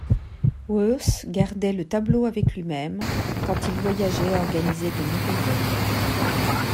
Worth gardait le tableau avec lui-même quand il voyageait et organisait de nouveaux vols.